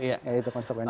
ya itu konsepnya